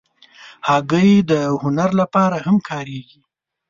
هګۍ د هنر لپاره هم کارېږي.